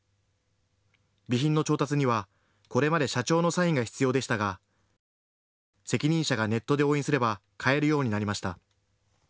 備品の調達にはこれまで社長のサインが必要でしたが責任者がネットで押印すれば買えるようになりました。